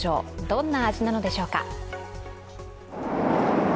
どんな味なのでしょうか。